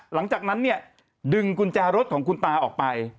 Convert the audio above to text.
หลังจากนั้นเนี่ยดึงกุญแจรถของคุณตาออกไป